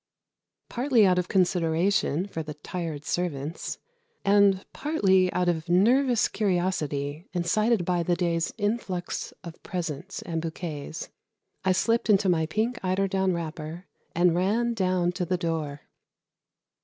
Partly out of consideration for the tired servants, and partly out of nervous curiosity incited by the day's influx of presents and bouquets, I slipped into my pink eider down wrapper and ran down to the door.